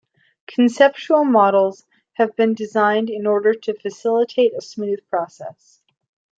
Conceptual models have been designed in order to facilitate a smooth process.